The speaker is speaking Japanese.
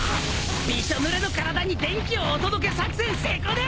びしょぬれの体に電気をお届け作戦成功だ！